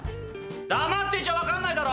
黙ってちゃ分からないだろ！